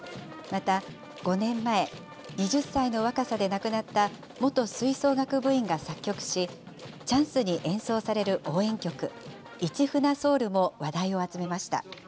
また、５年前、２０歳の若さで亡くなった元吹奏楽部員が作曲し、チャンスに演奏される応援曲、市船ｓｏｕｌも話題を集めました。